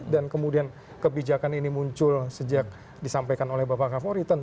dan kemudian kebijakan ini muncul sejak disampaikan oleh bapak kapol riten